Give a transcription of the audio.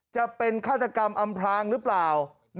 จะเป็นฆาตกรรมอำพลางหรือเปล่า